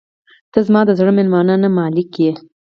• ته زما د زړه میلمانه نه، مالک یې.